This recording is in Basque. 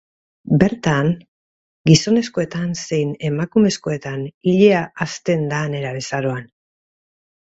Bertan, gizonezkoetan zein emakumezkoetan ilea hazten da nerabezaroan.